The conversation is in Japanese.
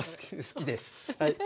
好きです。